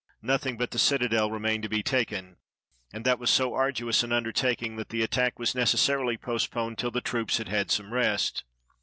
Nothing but the citadel re mained to be taken, and that was so arduous an under taking that the attack was necessarily postponed till the troops had had some rest.